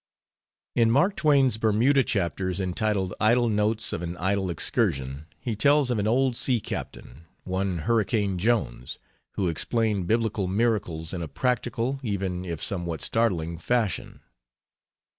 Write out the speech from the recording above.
In Mark Twain's Bermuda chapters entitled Idle Notes of an Idle Excursion he tells of an old sea captain, one Hurricane Jones, who explained biblical miracles in a practical, even if somewhat startling, fashion.